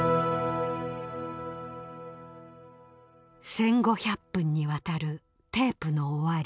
１，５００分にわたるテープの終わり。